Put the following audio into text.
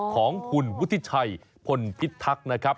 ของคุณวุฒิชัยพลพิทักษ์นะครับ